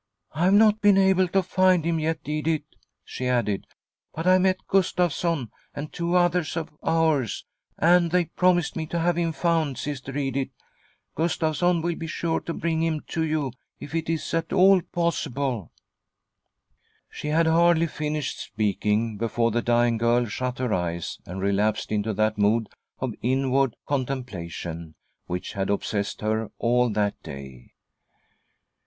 " I've not been able to find him, yet, Edith," she added, " but I met Gustavsson and two others of ours, and they promised me to have him found. Sister Edith, Gustavsson will be sure to bring him to you if it is at all possible." n i ii rr— — i :\ MM ■ML THE STORM WITHIN THE SOUL 19 She had hardly finished speaking before the dying girl shut her eyes and relapsed into that mood of inward contemplation which had obsessed her all that day.